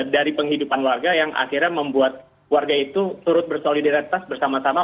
dari penghidupan warga yang akhirnya membuat warga itu turut bersolidaritas bersama sama